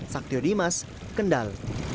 saktio dimas kendal